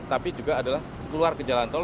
tapi juga adalah keluar ke jalan tol